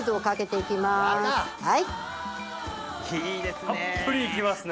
いいですね！